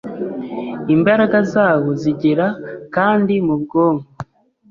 Imbaraga zawo zigera kandi mu bwonko,